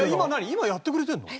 今やってくれてるの？